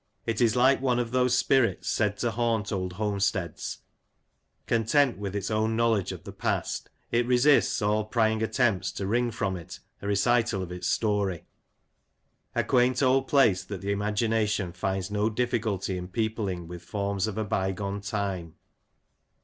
It is like one of those spirits said to haunt old homesteads : content with its own knowledge of the past, it resists all prying attempts to wring from it a recital of its story. A quaint old place that the imagination finds no difficulty in peopling with forms of a bygone time.